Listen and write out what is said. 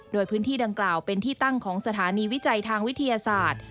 โดยพื้นที่ดังกล่าวเป็นที่ตั้งของสถานีวิจัยทางวิทยาศาสตร์